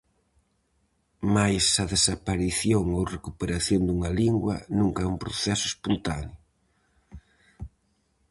Mais a desaparición ou recuperación dunha lingua nunca é un proceso espontáneo.